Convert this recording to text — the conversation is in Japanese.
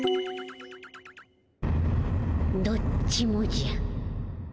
どっちもじゃ。